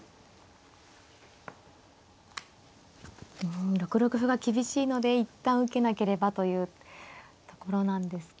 うん６六歩は厳しいので一旦受けなければというところなんですか。